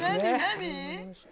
何？